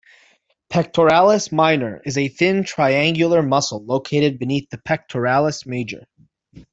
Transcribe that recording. Pectoralis minor is a thin, triangular muscle located beneath the pectoralis major.